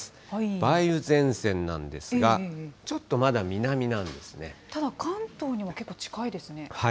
梅雨前線なんですが、ちょっとまただ、関東に結構近いですね。